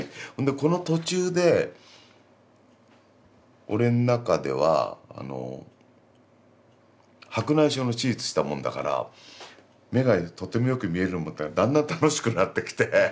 この途中で俺の中ではあの白内障の手術したもんだから目がとてもよく見えると思ったらだんだん楽しくなってきて。